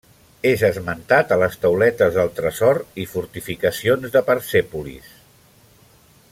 És esmentat a les tauletes del tresor i fortificacions de Persèpolis.